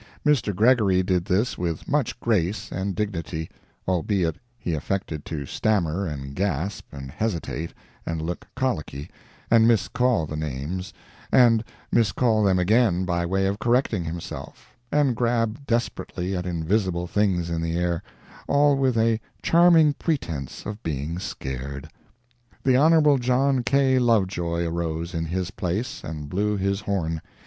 Mr. Gregory did this with much grace and dignity, albeit he affected to stammer and gasp, and hesitate, and look colicky, and miscall the names, and miscall them again by way of correcting himself, and grab desperately at invisible things in the air—all with a charming pretense of being scared. The Hon. John K. Lovejoy arose in his place and blew his horn.